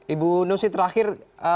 ibu nusi terakhir